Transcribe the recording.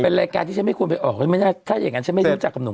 เป็นรายการที่ฉันไม่ควรไปออกไม่ได้ถ้าอย่างนั้นฉันไม่รู้จักกับหนุ่ม